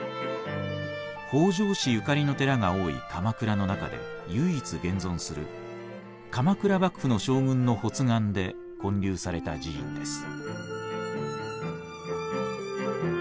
北条氏ゆかりの寺が多い鎌倉の中で唯一現存する鎌倉幕府の将軍の発願で建立された寺院です。